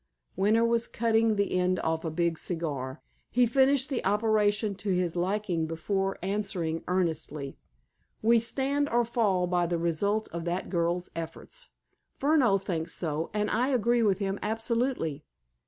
Winter was cutting the end off a big cigar. He finished the operation to his liking before answering earnestly: "We stand or fall by the result of that girl's efforts. Furneaux thinks so, and I agree with him absolutely.